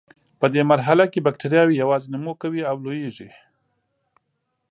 په دې مرحله کې بکټریاوې یوازې نمو کوي او لویږي.